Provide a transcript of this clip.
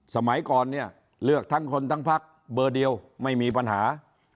สมัยก่อนเนี่ยเลือกทั้งคนทั้งพักเบอร์เดียวไม่มีปัญหา